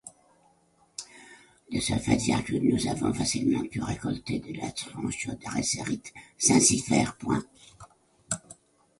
De ce fait, nous avons facilement pu récolter de la strontiodressérite zincifère.